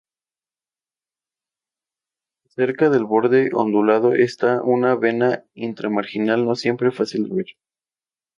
Cerca del borde ondulado, está una vena intra marginal, no siempre fácil de ver.